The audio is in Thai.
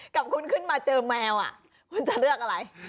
กับคุณขึ้นมาเจอแมวคุณจะเลือกอะไร